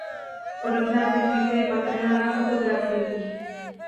Podobná technika je patrná na fotografiích.